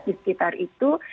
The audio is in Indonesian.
di sekitar itu